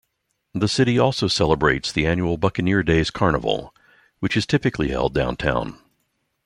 The city also celebrates the annual Buccaneer Days Carnival, which is typically held downtown.